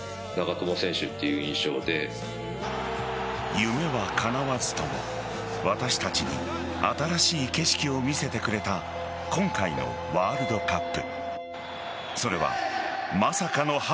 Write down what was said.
夢はかなわずとも私たちに新しい景色を見せてくれた今回のワールドカップ。